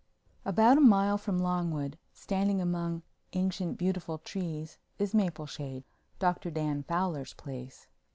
II About a mile from Longwood, standing among ancient, beautiful trees, is Mapleshade, Dr. Dan Fowler's place.